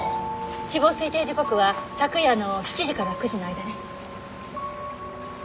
死亡推定時刻は昨夜の７時から９時の間ね。